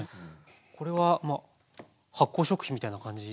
これは発酵食品みたいな感じなんですか？